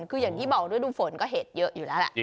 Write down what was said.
คืออย่างที่บอกฤดูฝนก็เห็ดเยอะอยู่แล้วแหละ